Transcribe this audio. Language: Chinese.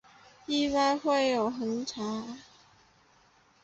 很意外会有红茶